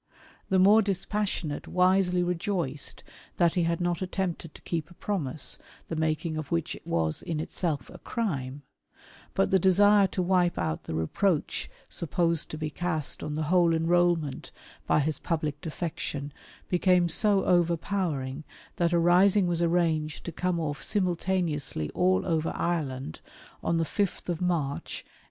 The more dispassionate wisely rejoiced that he had not attempted to keep a promise, the maknig of which was in itself a crime ; but the desire to wipe out the reproach supposed to be cast on the whole enrolment by his public defection became so overpowering, that a rising was arranged to come off simultaneously all over Ireland on the 5th March, 1867.